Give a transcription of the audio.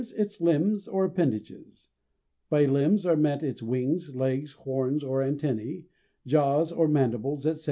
its limbs or appendages; by limbs are meant its wings, legs, horns or antennæ, jaws or mandibles, etc.